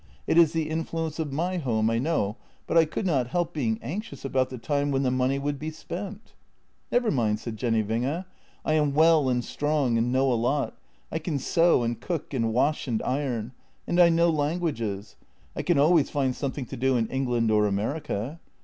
It is the influence of my home, I know, but I could not help being anxious about the time when the money would be spent." " Never mind," said Jenny Winge. " I am well and strong and know a lot; I can sew and cook and wash and iron. And I know languages. I can always find something to do in England or America.